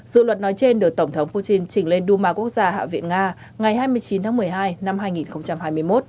dự luật nói trên được tổng thống putin trình lên duma quốc gia hạ viện nga ngày hai mươi chín tháng một mươi hai năm hai nghìn hai mươi một